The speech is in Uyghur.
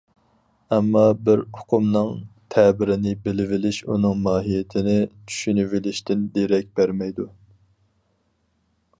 ئەمما، بىر ئۇقۇمنىڭ تەبىرىنى بىلىۋېلىش ئۇنىڭ ماھىيىتىنى چۈشىنىۋېلىشتىن دېرەك بەرمەيدۇ.